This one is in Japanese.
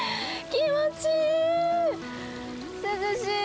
気持ちいいー！